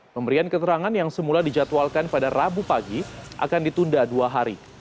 pemberian keterangan yang semula dijadwalkan pada rabu pagi akan ditunda dua hari